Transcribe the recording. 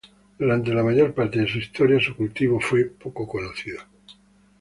Durante la mayor parte de su historia, su cultivo fue poco conocido.